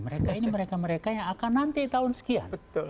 mereka ini mereka mereka yang akan nanti tahun sekian